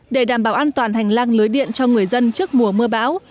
để đảm bảo an toàn hành lang lưới điện cho người dân trước mùa mưa bão